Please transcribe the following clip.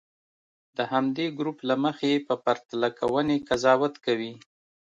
د همدې ګروپ له مخې یې په پرتله کوونې قضاوت کوي.